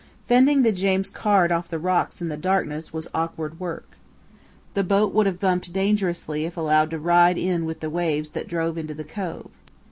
Fending the James Caird off the rocks in the darkness was awkward work. The boat would have bumped dangerously if allowed to ride in with the waves that drove into the cove.